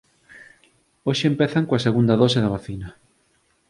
Hoxe empezan coa segunda dose da vacina.